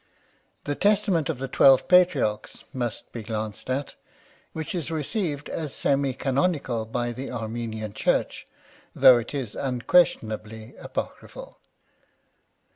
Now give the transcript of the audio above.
The testament of the twelve Patriarchs must be glanced at, which is received as semi canonical by the Armenian Church, though it is unquestionably apocryphal.